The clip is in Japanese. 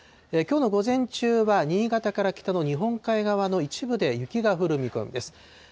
きょうの午前中は新潟から北の日本海側の一部で雪が降る見込みです。